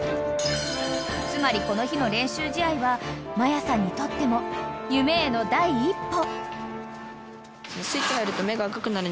［つまりこの日の練習試合は真矢さんにとっても夢への第一歩］